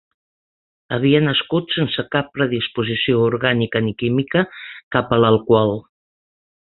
Havia nascut sense cap predisposició orgànica ni química cap a l'alcohol.